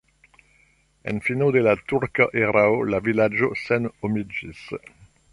En fino de la turka erao la vilaĝo senhomiĝis.